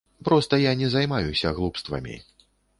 Проста я не займаюся глупствамі.